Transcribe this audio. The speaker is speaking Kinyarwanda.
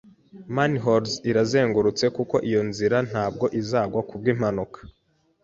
Manholes irazengurutse kuko iyo nzira ntabwo izagwa kubwimpanuka.